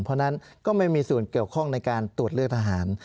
เพราะฉะนั้นก็ไม่มีส่วนเกี่ยวข้องในการตรวจเลือกทหาร